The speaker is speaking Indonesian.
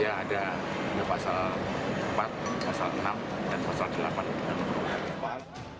ya ada pasal empat pasal enam dan pasal delapan